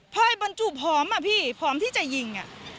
เพราะไอ้บรรจุหอมอ่ะพี่พร้อมที่จะยิง